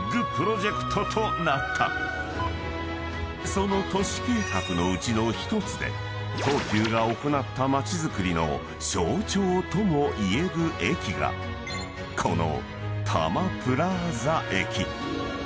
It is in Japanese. ［その都市計画のうちの１つで東急が行った街づくりの象徴ともいえる駅がこの］